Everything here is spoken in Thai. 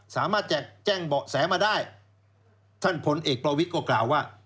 สามารถจะแจ้งเบาะแสมาได้ท่านผลเอกประวิทย์ก็กล่าวว่า